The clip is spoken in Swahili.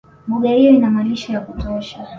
Mbuga hiyo ina malisho ya kutosha